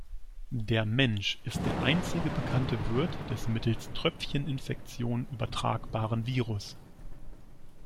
Der Mensch ist der einzige bekannte Wirt des mittels Tröpfcheninfektion übertragbaren Virus.